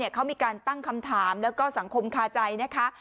เขามีการตั้งคำถามแล้วก็สังคมคาใจนะคะ